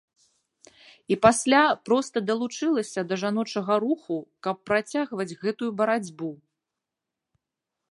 І пасля проста далучылася да жаночага руху, каб працягваць гэтую барацьбу.